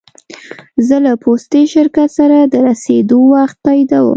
زه له پوستي شرکت سره د رسېدو وخت تاییدوم.